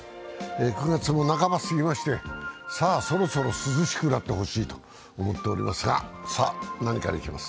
９月も半ば過ぎまして、そろそろ涼しくなってほしいと思っておりますが、何からいきます？